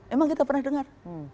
emang kita pernah dengar